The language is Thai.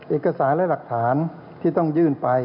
เอกสารและหลักฐานที่ต้องยื่นไป